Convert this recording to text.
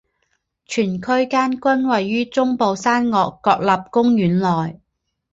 全区间均位于中部山岳国立公园内。